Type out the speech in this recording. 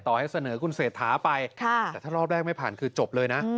ให้เสนอคุณเศรษฐาไปแต่ถ้ารอบแรกไม่ผ่านคือจบเลยนะ